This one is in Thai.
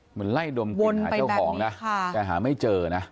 เหมือนไล่ดมกลิ่นหาเจ้าของนะแต่หาไม่เจอนะ